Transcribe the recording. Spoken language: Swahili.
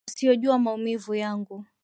Wasiojua maumivu yangu